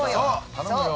◆頼むよ。